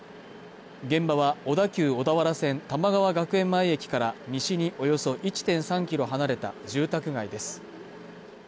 現場は小田急小田原線玉川学園前駅から西におよそ１．３キロ離れた住宅街です